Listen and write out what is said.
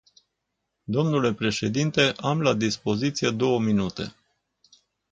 Domnule președinte, am la dispoziție două minute.